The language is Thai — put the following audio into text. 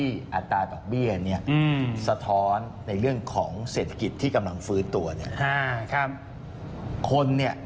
แต่ถ้าหมดเลยนี่แสดงว่าผิดปกติ